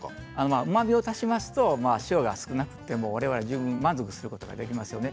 うまみを足すと塩が少なくても満足することができますよね。